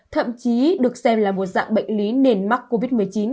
thậm chí được xem là một dạng bệnh lý nền mắc covid một mươi chín